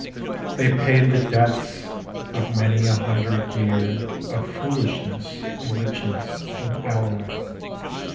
They paid the debts of many a hundred year Of foolishness and riches in alloy.